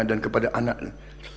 dan kepada anaknya